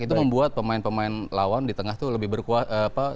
itu membuat pemain pemain lawan di tengah itu lebih berkuasa